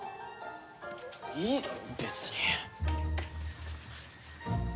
いいだろ別に。